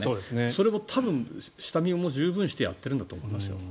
それも多分、下見を十分してやってるんだと思いますよ。